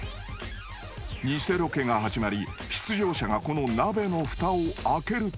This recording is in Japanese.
［ニセロケが始まり出場者がこの鍋のふたを開けると］